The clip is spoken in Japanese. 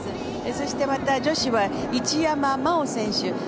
そして、女子は一山麻緒選手